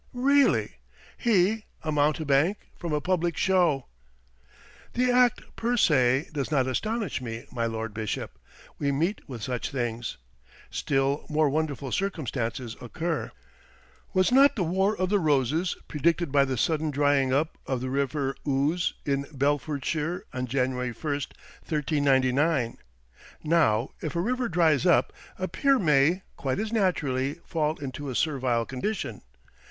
"Really! he a mountebank from a public show!" "The act, per se, does not astonish me, my Lord Bishop. We meet with such things. Still more wonderful circumstances occur. Was not the War of the Roses predicted by the sudden drying up of the river Ouse, in Bedfordshire, on January 1st, 1399. Now, if a river dries up, a peer may, quite as naturally, fall into a servile condition.